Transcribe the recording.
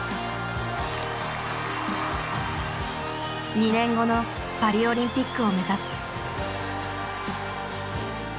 ２年後のパリオリンピックを目指す。